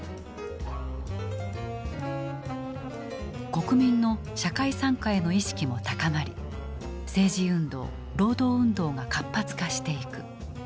国民の社会参加への意識も高まり政治運動労働運動が活発化していく。